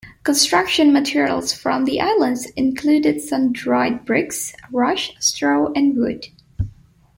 Construction materials from the islands included sun-dried bricks, rush, straw and wood.